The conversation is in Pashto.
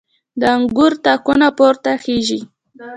د انګور تاکونه پورته خیژي